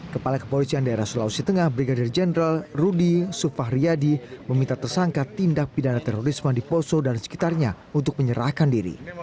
kepala kepolisian daerah sulawesi tengah brigadir jenderal rudy sufahriyadi meminta tersangka tindak pidana terorisme di poso dan sekitarnya untuk menyerahkan diri